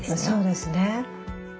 そうですね。